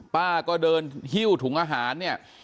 ป้าก็เดินหิ้วถุงอาหารเนี่ย